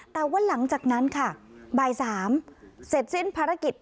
แต่ว่าหลังจากนั้นค่ะบ่าย๓เสร็จสิ้นภารกิจ